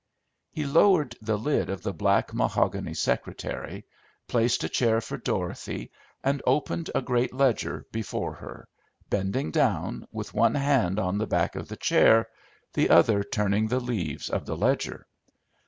He lowered the lid of the black mahogany secretary, placed a chair for Dorothy and opened a great ledger before her, bending down, with one hand on the back of the chair, the other turning the leaves of the ledger.